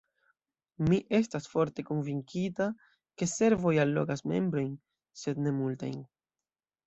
Mi estas forte konvinkita, ke servoj allogas membrojn, sed ne multajn.